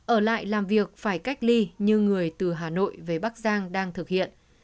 ở lại làm việc phải cách ly như người từ hà nội về bắc giang đang thực hiện